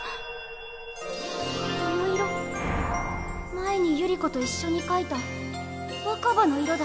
前に百合子といっしょに描いた若葉の色だ。